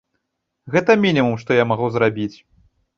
Гэта мінімум, што я магу зрабіць.